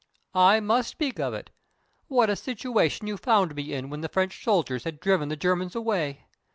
"I must speak of it. What a situation you found me in when the French soldiers had driven the Germans away!